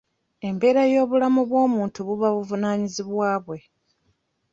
Embeera y'obulamu bw'omuntu buba buvunaanyizibwa bwe.